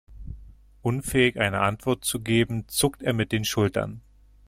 Unfähig eine Antwort zu geben, zuckt er mit den Schultern.